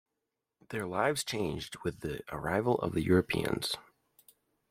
Their lives changed with the arrival of the Europeans.